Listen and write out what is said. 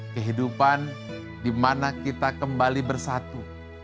kehidupan dimana kita kembali bersatu